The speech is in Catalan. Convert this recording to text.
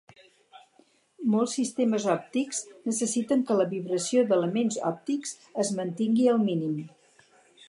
Molts sistemes òptics necessiten que la vibració d'elements òptics es mantingui al mínim.